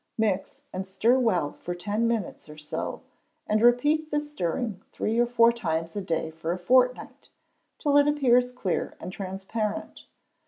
Mix and stir well for ten minutes or so, and repeat this stirring three or four times a day for a fortnight, till it appears clear and transparent.